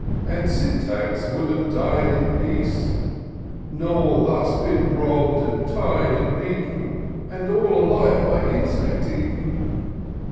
And Syntax would have died in peace ; Nor thus been robb'd, and tied and beaten. And all alive by insects eaten."